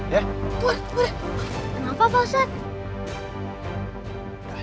kenapa pak ustadz